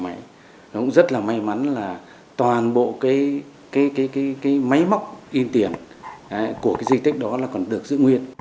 máy nó cũng rất là may mắn là toàn bộ cái máy móc in tiền của cái di tích đó là còn được giữ nguyên